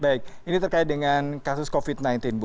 baik ini terkait dengan kasus covid sembilan belas bu